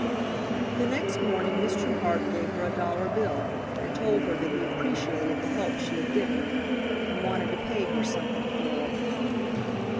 The next morning Mr. Hart gave her a dollar bill and told her that he appreciated the help she had given them, and wanted to pay her something for it.